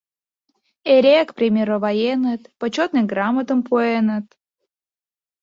Эреак премироваеныт, Почётный грамотым пуэныт.